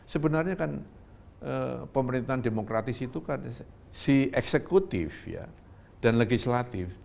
sebenarnya kan pemerintahan demokratis itu kan si eksekutif dan legislatif